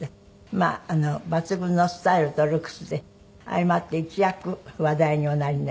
まあ抜群のスタイルとルックスで相まって一躍話題におなりになりました。